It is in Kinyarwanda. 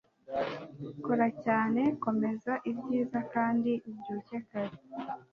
kora cyane, komeza ibyiza, kandi ubyuke kare